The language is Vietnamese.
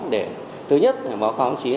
để thứ nhất báo cáo đồng chí